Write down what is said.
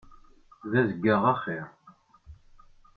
D azeggaɣ axiṛ.